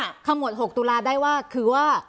อันนี้คือคอมมูนหกตุลาได้ว่าคือว่า